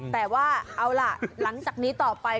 แต่ว่าเอาล่ะหลังจากนี้ต่อไป